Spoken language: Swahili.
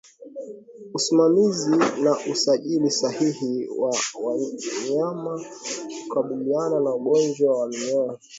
Usimamizi na ulishaji sahihi wa wanyama hukabiliana na ugonjwa wa minyoo